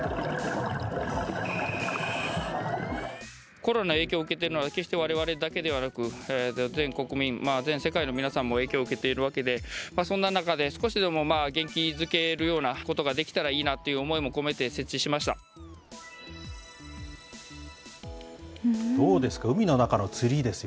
コロナの影響を受けているのは、決してわれわれだけではなく、全国民、全世界の皆さんも影響を受けているわけで、そんな中で、少しでも元気づけるようなことができたらいいなという思いも込めどうですか、海の中のツリー